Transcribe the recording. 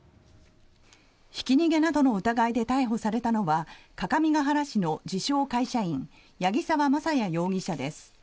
ひき逃げなどの疑いで逮捕されたのは各務原市の自称・会社員八木沢正弥容疑者です。